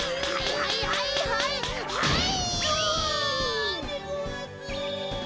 はいはいはいはい。